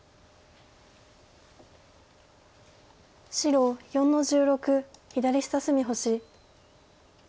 白４の十六左下隅星。